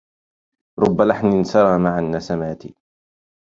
رب لحن سرى مع النسمات